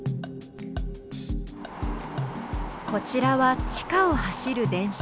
こちらは地下を走る電車。